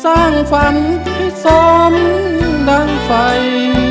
สร้างฝันให้ซ้อมดังไฟ